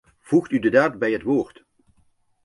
Voegt u de daad bij het woord!